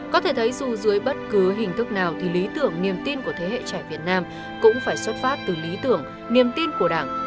có thể thấy dù dưới bất cứ hình thức nào thì lý tưởng niềm tin của thế hệ trẻ việt nam cũng phải xuất phát từ lý tưởng niềm tin của đảng